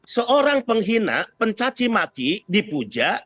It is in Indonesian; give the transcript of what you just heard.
seorang penghina pencaci maki dipuja